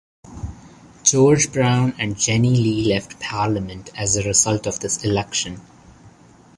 George Brown and Jennie Lee left Parliament as a result of this election.